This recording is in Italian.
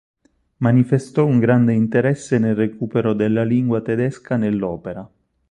Manifestò un grande interesse nel recupero della lingua tedesca nell'opera.